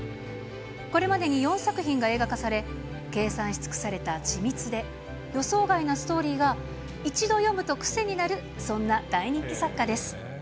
これまでに４作品が映画化され、計算し尽くされたち密で予想外なストーリーが一度読むと癖になる、そんな大人気作家です。